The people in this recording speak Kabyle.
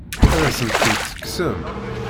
Ad asent-tent-tekksem?